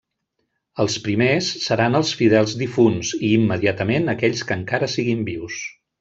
Els primers seran els fidels difunts, i immediatament aquells que encara siguin vius.